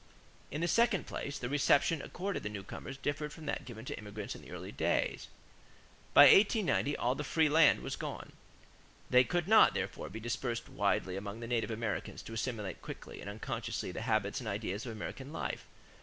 In the second place, the reception accorded the newcomers differed from that given to the immigrants in the early days. By 1890 all the free land was gone. They could not, therefore, be dispersed widely among the native Americans to assimilate quickly and unconsciously the habits and ideas of American life.